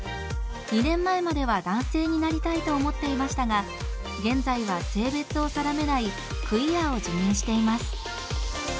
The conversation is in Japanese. ２年前までは男性になりたいと思っていましたが現在は性別を定めないクイアを自認しています。